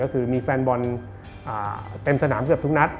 ก็คือมีแฟนบอลเต็มสนามเกือบทุกนัด